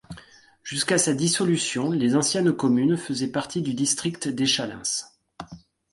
Jusqu'à sa dissolution, les anciennes commune faisait partie du district d'Échallens.